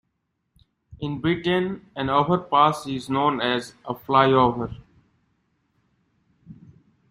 In Britain, an overpass is known as a flyover